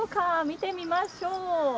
見てみましょう。